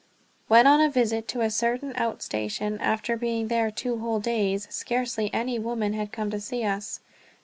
When on a visit to a certain out station, after being there two whole days, scarcely any women had come to see us.